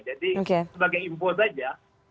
jadi sebagai info saja